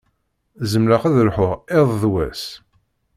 Zemreɣ ad lḥuɣ iḍ d wass.